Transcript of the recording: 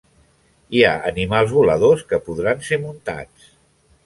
Hi ha animals voladors que podran ser muntats.